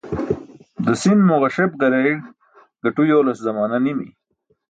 Dasin mo ġasep-ġareey gaṭu yoolas zamaana nimi.